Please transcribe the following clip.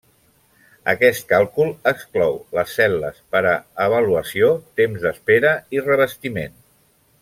Aquest càlcul exclou les cel·les per a avaluació, temps d'espera i revestiment.